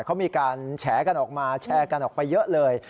เขามีการแฉกันออกมาแชร์กันออกไปเยอะเลย